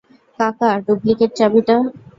কাকা, ডুপ্লিকেট চাবিটা?